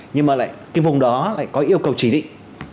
nhưng mà lại cái vùng đó lại có yêu cầu chỉ định